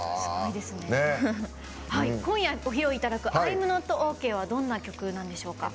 今夜ご披露いただく「Ｉ’ｍＮｏｔＯＫ」はどんな曲なんでしょうか？